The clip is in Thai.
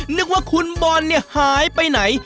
นึกว่าคุณบอลเนี่ยหายไปไหน